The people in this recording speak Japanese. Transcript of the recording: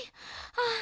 ああ。